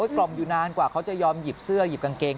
กล่อมอยู่นานกว่าเขาจะยอมหยิบเสื้อหยิบกางเกง